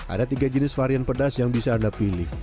ada tiga jenis varian pedas yang bisa anda pilih